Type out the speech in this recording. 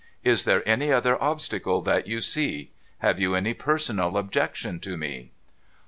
Is there any other obstacle that you see ? Have you any personal objection to me?'